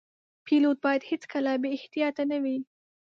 پیلوټ باید هیڅکله بې احتیاطه نه وي.